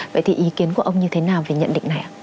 vậy thì ý kiến của ông như thế nào về nhận định này ạ